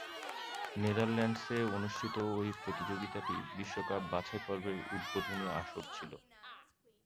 নেদারল্যান্ডসে অনুষ্ঠিত ঐ প্রতিযোগিতাটি বিশ্বকাপ বাছাইপর্বের উদ্বোধনী আসর ছিল।